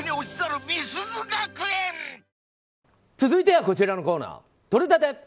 続いては、こちらのコーナーとれたて！